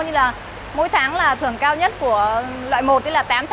như là mỗi tháng là thưởng cao nhất của loại một là tám trăm linh nghìn một người